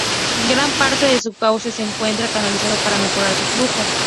Gran parte de su cauce se encuentra canalizado para mejorar su flujo.